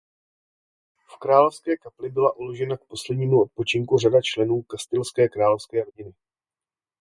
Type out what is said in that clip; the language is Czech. V královské kapli byla uložena k poslednímu odpočinku řada členů kastilské královské rodiny.